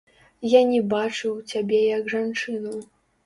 Я не бачыў цябе як жанчыну.